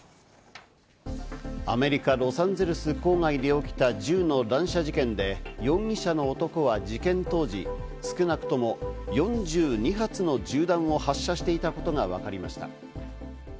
アメリカ・ロサンゼルス郊外で起きた銃の乱射事件で、容疑者の男は事件当時、少なくとも４２発の銃弾を発射していたことがわかりました。